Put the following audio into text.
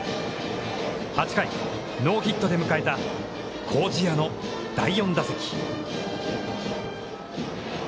８回、ノーヒットで迎えた麹家の第４打席。